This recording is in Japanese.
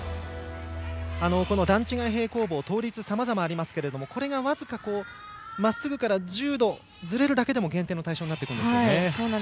段違い平行棒倒立がさまざまありますがこれが僅かまっすぐから１０度ずれるだけでも減点の対象になりますね。